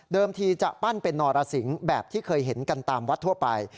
ทีจะปั้นเป็นนรสิงแบบที่เคยเห็นกันตามวัดทั่วไป